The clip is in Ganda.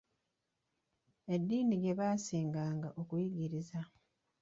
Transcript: Eddiini gye baasinganga okuyigiriza.